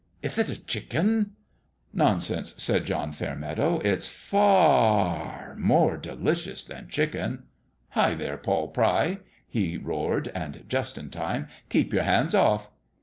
" Ith it a chicken ?"" Nonsense !" said John Fairmeadow ;" it's fa a a ar more delicious than chicken. Hi, there, Poll Pry !" he roared, and just in time ;" keep your hands off."